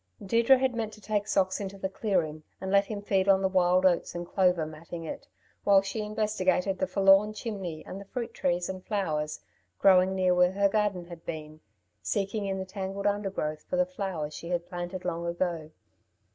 Deirdre had meant to take Socks into the clearing, and let him feed on the wild oats and clover matting it, while she investigated the forlorn chimney and the fruit trees and flowers growing near where her garden had been, seeking in the tangled undergrowth for the flowers she had planted long ago.